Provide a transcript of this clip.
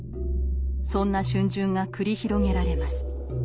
そんな逡巡が繰り広げられます。